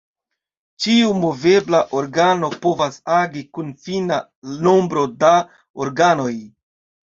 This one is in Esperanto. Ĉiu movebla organo povas agi kun fina nombro da organoj.